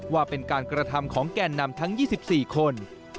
ว่าเป็นการกระทำของแก่นนำทั้ง๒๔คน